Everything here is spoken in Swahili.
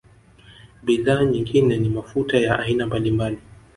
Bidhaa nyingine ni mafuta ya aina mbalimbali